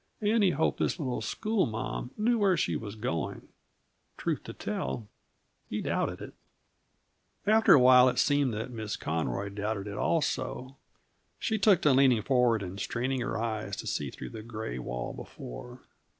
And he hoped this little schoolma'am knew where she was going truth to tell, he doubted it. After a while, it seemed that Miss Conroy doubted it also. She took to leaning forward and straining her eyes to see through the gray wall before.